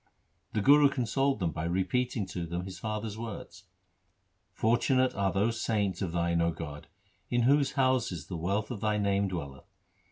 The Guru consoled them by repeating to them his father's words :—■ Fortunate are those saints of Thine, 0 God, in whose houses the wealth of Thy name dwelleth.